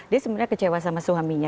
dia sebenarnya kecewa sama suaminya